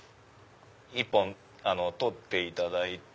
１本取っていただいて。